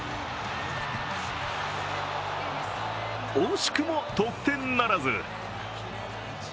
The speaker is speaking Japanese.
惜しくも得点ならず。